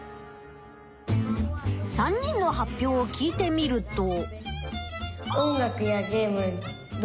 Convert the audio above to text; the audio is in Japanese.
３人の発表を聞いてみると。